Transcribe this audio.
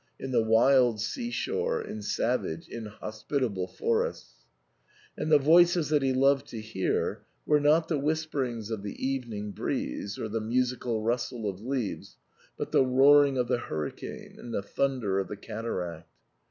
in the wild sea shore, in savage inhospitable forests ; and the voices that he loved to hear were not the whis perings of the evening breeze or the musical rustle of leaves, but the roaring of the hurricane and the thun der of the cataract.